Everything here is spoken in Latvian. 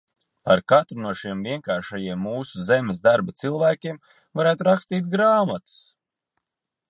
Par katru no šiem vienkāršajiem mūsu zemes darba cilvēkiem varētu rakstīt grāmatas.